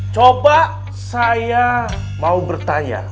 coba saya mau bertanya